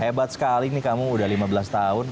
hebat sekali nih kamu udah lima belas tahun